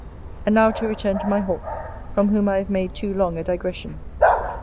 And now to return to my Hawks, from whom I have made too long a digression.